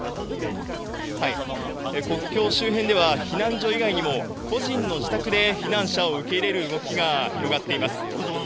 国境周辺では避難所以外にも個人の自宅で避難者を受け入れる動きが広がっています。